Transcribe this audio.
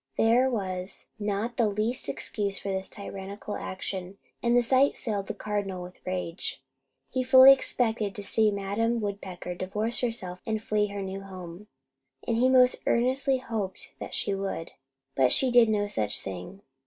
There was not the least excuse for this tyrannical action; and the sight filled the Cardinal with rage. He fully expected to see Madam Woodpecker divorce herself and flee her new home, and he most earnestly hoped that she would; but she did no such thing.